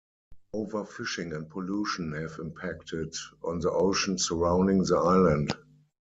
Overfishing and pollution have impacted on the ocean surrounding the island.